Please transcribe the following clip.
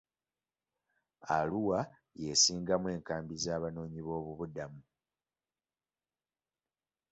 Arua y'esingamu enkambi z'abanoonyiboobubudamu.